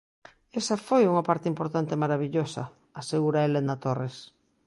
Esa "foi unha parte importante e marabillosa", asegura Helena Torres.